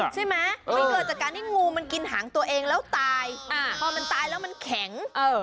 เกิดจากการให้งูมันกินหางตัวเองแล้วตายพอมันตายแล้วมันแข็ง